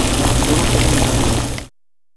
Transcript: Todo queda en familia